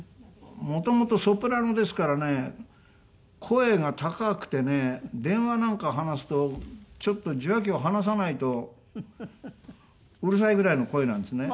もともとソプラノですからね声が高くてね電話なんか話すとちょっと受話器を離さないとうるさいぐらいの声なんですね。